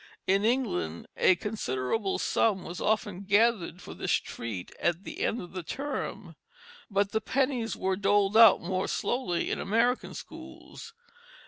In England a considerable sum was often gathered for this treat at the end of the term; but the pennies were doled out more slowly in American schools.